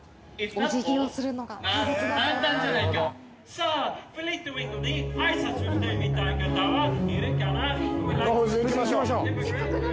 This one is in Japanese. ◆さあ、フリートウイングに挨拶してみたい方はいるかな？